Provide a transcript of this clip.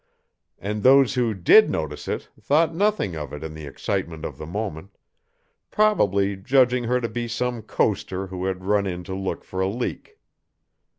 And those who did notice it thought nothing of it in the excitement of the moment, probably judging her to be some coaster who had run in to look for a leak.